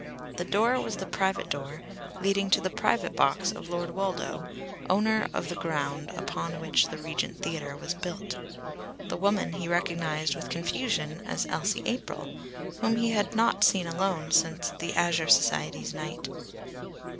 The door was the private door leading to the private box of Lord Woldo, owner of the ground upon which the Regent Theatre was built. The woman he recognised with confusion as Elsie April, whom he had not seen alone since the Azure Society's night.